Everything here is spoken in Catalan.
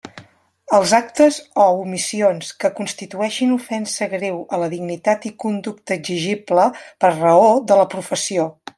Els actes o omissions que constitueixin ofensa greu a la dignitat i conducta exigible per raó de la professió.